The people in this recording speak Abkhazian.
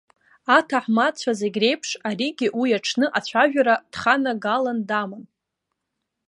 Аҭаҳмадцәа зегь реиԥш, аригьы уи аҽны ацәажәара дханагалан даман.